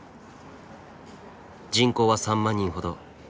人口は３万人ほど。